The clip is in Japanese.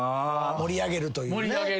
盛り上げるというね。